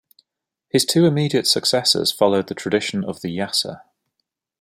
His two immediate successors followed the tradition of the Yassa.